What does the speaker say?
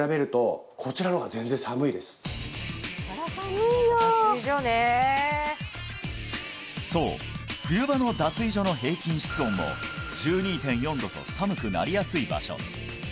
そりゃ寒いよ脱衣所ねそう冬場の脱衣所の平均室温も１２．４度と寒くなりやすい場所